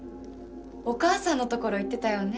お母さんのところ行ってたよね？